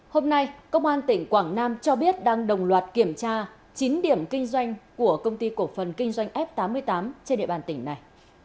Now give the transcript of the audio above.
hôm nay công an tỉnh quảng nam cho biết đang đồng loạt kiểm tra chín điểm kinh doanh của công ty cổ phần kinh doanh f tám mươi tám trên địa bàn tỉnh này